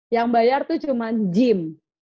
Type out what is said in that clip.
yang bayar tuh cuma gym